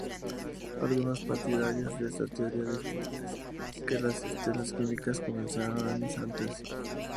Algunos partidarios de esta teoría defienden que las estelas químicas comenzaron años antes.